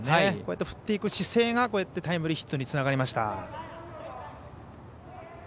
振っていく姿勢がタイムリーヒットにつながりました。